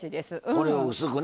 これを薄くね